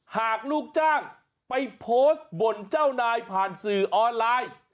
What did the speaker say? ลูกจ้างไปโพสต์บ่นเจ้านายผ่านสื่อออนไลน์